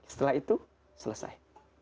setelah itu selesai